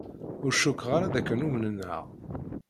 Ur cukkeɣ ara d akken umnen-aɣ.